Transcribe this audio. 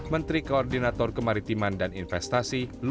menteri koordinator kemaritiman dan investasi